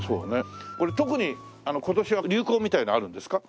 これ特に今年は流行みたいのはあるんですか？